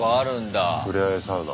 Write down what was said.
自然のふれあいサウナ。